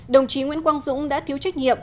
đồng chí nguyễn quang dũng đã thiếu trách nhiệm